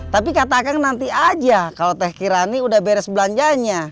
tapi katakan nanti aja kalau teh kirani udah beres belanjanya